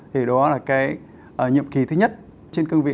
thì đó là cái nhiệm kỳ thứ nhất trên cương vị